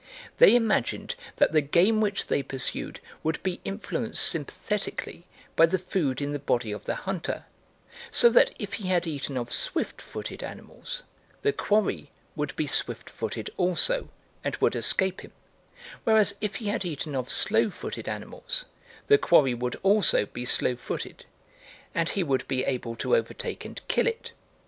They imagined that the game which they pursued would be influenced sympathetically by the food in the body of the hunter, so that if he had eaten of swift footed animals, the quarry would be swift footed also and would escape him; whereas if he had eaten of slow footed animals, the quarry would also be slow footed, and he would be able to overtake and kill it.